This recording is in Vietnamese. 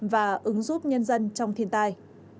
và ứng giúp nhân dân trong thiên tai